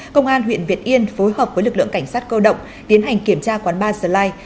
công an huyện việt yên phối hợp với lực lượng cảnh sát cơ động tiến hành kiểm tra quán ba sllight